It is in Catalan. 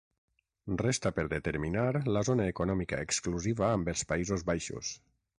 Resta per determinar la zona econòmica exclusiva amb els Països Baixos.